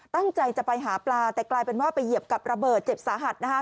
ตั้งใจจะไปหาปลาแต่กลายเป็นว่าไปเหยียบกับระเบิดเจ็บสาหัสนะคะ